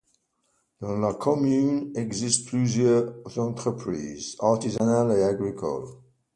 Dans la commune existent plusieurs entreprises, artisanales et agricoles.